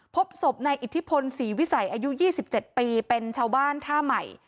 พบศพนายอิทธิพลศรีวิสัยอายุ๒๗ปีเป็นชาวบ้านท่าใหม่